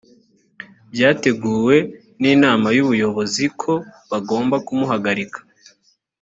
byateguwe n’inama y’ubuyobozi ko bagomba ku muhagarika